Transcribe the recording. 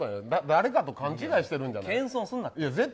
誰かと勘違いしてるんじゃない。